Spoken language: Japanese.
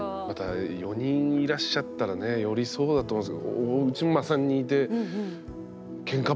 また４人いらっしゃったらねよりそうだと思うんですけど。